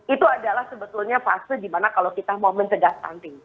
itu adalah sebetulnya fase dimana kalau kita mau mencegah stunting